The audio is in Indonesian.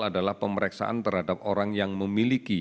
adalah pemeriksaan terhadap orang yang memiliki